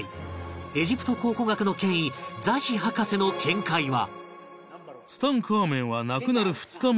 エジプト考古学の権威ザヒ博士の見解は